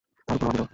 তাঁর উপনাম আবু যর।